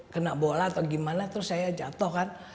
kena bola atau gimana terus saya jatuh kan